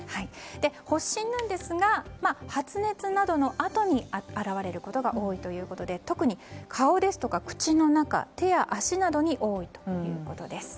発疹なんですが発熱などのあとに表れることが多いということで特に顔ですとか口の中手や足などに多いということです。